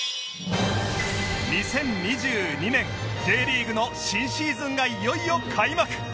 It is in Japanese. ２０２２年 Ｊ リーグの新シーズンがいよいよ開幕